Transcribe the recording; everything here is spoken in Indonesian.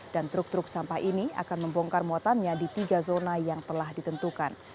dan truk truk sampah ini akan membongkar muatannya di tiga zona yang telah ditentukan